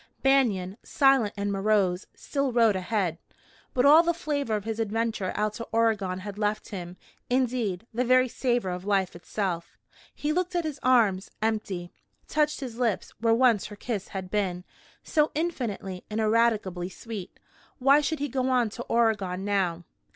Banion, silent and morose, still rode ahead, but all the flavor of his adventure out to Oregon had left him indeed, the very savor of life itself. He looked at his arms, empty; touched his lips, where once her kiss had been, so infinitely and ineradicably sweet. Why should he go on to Oregon now?